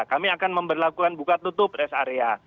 kami akan memperlakukan buka tutup rest area